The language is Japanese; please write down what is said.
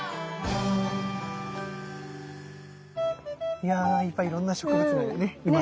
いやいっぱいいろんな植物がねいますね。